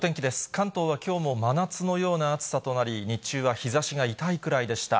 関東はきょうも真夏のような暑さとなり、日中は日ざしが痛いくらいでした。